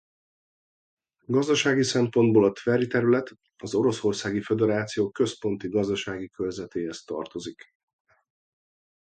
Gazdasági szempontból a Tveri terület az Oroszországi Föderáció Központi Gazdasági Körzetéhez tartozik.